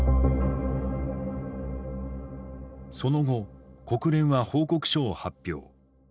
その後国連は報告書を発表。